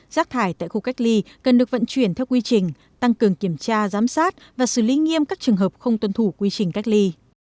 rác thải tại khu cách ly cần được vận chuyển theo quy trình tăng cường kiểm tra giám sát và xử lý nghiêm các trường hợp không tuân thủ quy trình cách ly